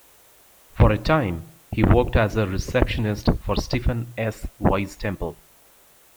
For a time, he worked as a receptionist for Stephen S. Wise Temple.